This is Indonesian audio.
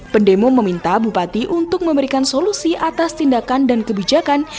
pendemo meminta bupati untuk memberikan solusi atas tindakan dan kebijakan